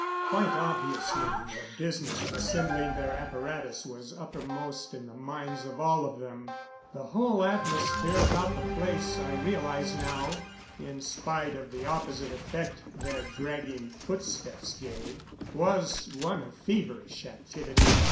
Quite obviously the business of assembling their apparatus was uppermost in the minds of all of them. The whole atmosphere about the place, I realized now, in spite of the opposite effect their dragging footsteps gave, was one of feverish activity.